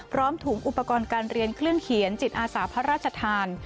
พร้อมถุงอุปกรณ์การเรียนเครื่องเขียนจิตอาสาพระราชทาน